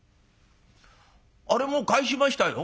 「あれもう返しましたよ」。